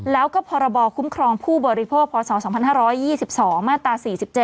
แล้วก็พรบคุ้มครองผู้บริโภคพศ๒๕๒๒มาตรา๔๗